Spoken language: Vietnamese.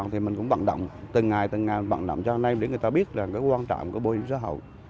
thì mình cũng vận động từng ngày từng ngày vận động cho anh em để người ta biết rằng cái quan trọng của bảo hiểm xã hội